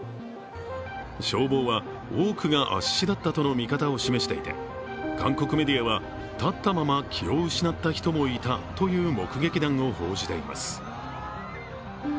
消防は多くが圧死だったとの見方を示していて韓国メディアは、立ったまま気を失った人もいたという目撃談を報じています。